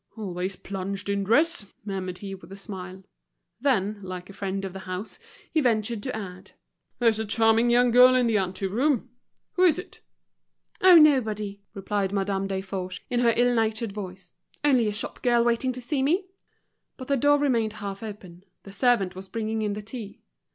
"Always plunged in dress!" murmured he, with a smile. Then, like a friend of the house, he ventured to add, "There's a charming young girl in the ante room. Who is it?" "Oh, nobody," replied Madame Desforges, in her ill natured voice. "Only a shop girl waiting to see me." But the door remained half open, the servant was bringing in the tea.